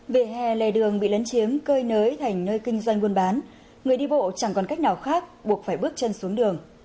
về hè lề đường bị lấn chiếm cơi nới thành nơi kinh doanh buôn bán người đi bộ chẳng còn cách nào khác buộc phải bước chân xuống đường